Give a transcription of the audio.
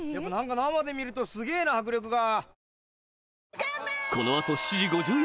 生で見るとすげぇな迫力が。